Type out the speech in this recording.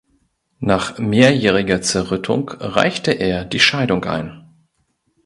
Nach mehrjähriger Zerrüttung reichte er die Scheidung ein.